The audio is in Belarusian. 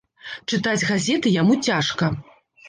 Чытаць газеты яму цяжка.